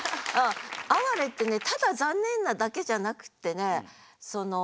「あはれ」ってねただ残念なだけじゃなくってね